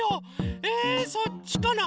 えそっちかな。